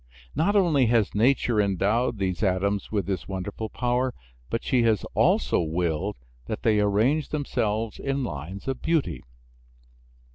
Not only has nature endowed these atoms with this wonderful power, but she has also willed that they arrange themselves in lines of beauty.